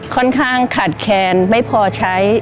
ค่อนข้างขาดแคลนไม่พอใช้